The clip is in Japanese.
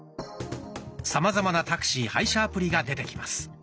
さまざまなタクシー配車アプリが出てきます。